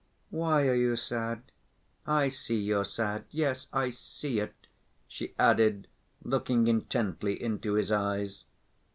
"Why are you sad? I see you're sad.... Yes, I see it," she added, looking intently into his eyes.